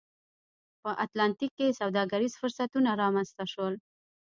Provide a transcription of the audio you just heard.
په اتلانتیک کې سوداګریز فرصتونه رامنځته شول